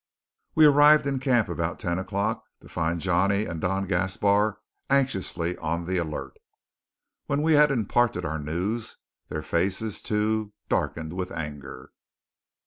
We arrived in camp about ten o'clock, to find Johnny and Don Gaspar anxiously on the alert. When we had imparted our news, their faces, too, darkened with anger.